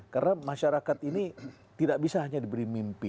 karena masyarakat ini tidak bisa hanya diberi mimpi